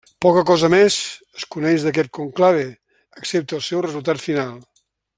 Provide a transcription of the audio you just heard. Poca cosa més es coneix d'aquest conclave, excepte el seu resultat final.